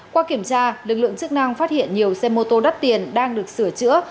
qua kiểm tra lực lượng chức năng phát hiện nhiều xe mô tô đắt tiền đang được sửa chữa